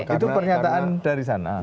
itu pernyataan dari sana